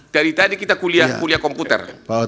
dari tadi kita kuliah komputer